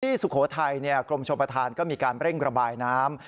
สุโขทัยกรมชมประธานก็มีการเร่งระบายน้ำ